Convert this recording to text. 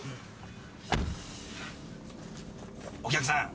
お客さん。